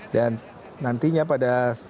dan nantinya pada